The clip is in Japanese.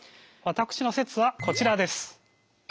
私の説はこちらです。